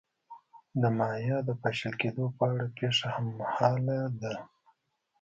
د مایا د پاشل کېدو په اړه پېښه هممهاله ده.